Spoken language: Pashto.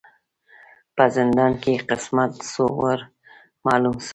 په زندان کی یې قسمت سو ور معلوم سو